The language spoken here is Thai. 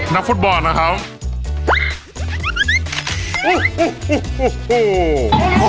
นักฟุตบอลนะครับ